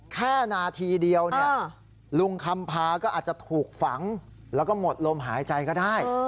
แค่นาทีเดียวลุงคำพาก็อาจจะถูกฝังแล้วก็หมดลมหายใจก็ได้